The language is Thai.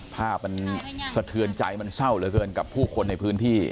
ภาพมันสะเทือนใจมันเศร้าเหลือเกินกับผู้คนในพื้นที่